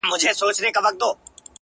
او راته وايي دغه؛